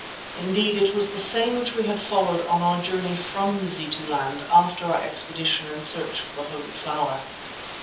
Indeed it was the same which we had followed on our journey from Mazituland after our expedition in search for the Holy Flower.